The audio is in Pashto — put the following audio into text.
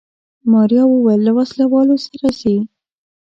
ماريا وويل له وسله والو سره ځي.